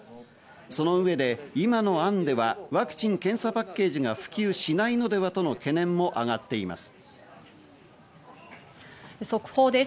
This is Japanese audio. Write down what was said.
その上で今の案ではワクチン・検査パッケージが普及しないのではとの懸念も上がっています。